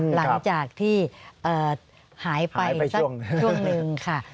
หลังจากที่หายไปสักช่วงหนึ่งค่ะ